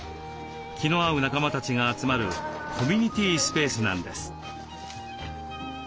気の合う仲間たちが集まるコミュニティースペースなんです。